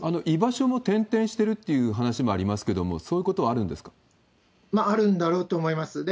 居場所も転々としてるっていう話もありますけれども、そういあるんだろうと思います。